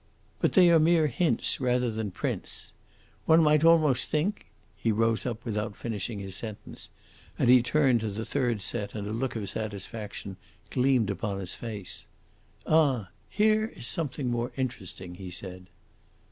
"But they are mere hints rather than prints. One might almost think " He rose up without finishing his sentence, and he turned to the third set and a look of satisfaction gleamed upon his face. "Ah! here is something more interesting," he said.